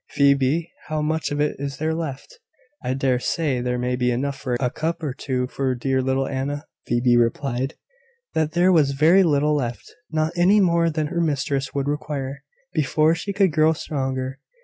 Phoebe, how much of it is there left? I dare say there may be enough for a cup or two for dear little Anna." Phoebe replied, that there was very little left not any more than her mistress would require before she could grow stronger.